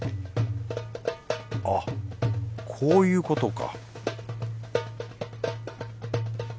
あっこういうことか